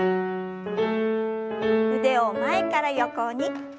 腕を前から横に。